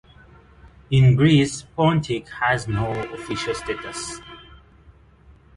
In Greece, Pontic has no official status.